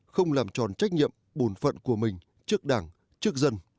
không làm tròn trách nhiệm bổn phận của mình trước đảng trước dân